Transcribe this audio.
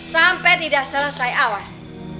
sampai tidak selesai awas